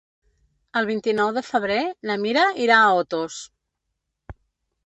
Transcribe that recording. El vint-i-nou de febrer na Mira irà a Otos.